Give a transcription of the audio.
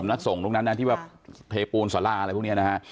นักส่งตรงนั้นนะที่ว่าเทปูนสาราอะไรพวกนี้นะฮะ